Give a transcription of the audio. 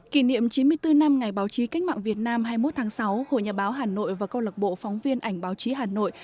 kỷ niệm chín mươi bốn năm ngày báo chí cách mạng việt nam hai mươi một tháng sáu hội nhà báo hà nội và câu lạc bộ phóng viên ảnh báo chí hà nội